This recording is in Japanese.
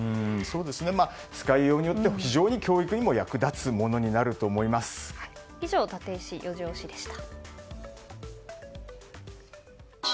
使いようによっては非常に教育にも役立つものだと以上、タテイシ４時推しでした。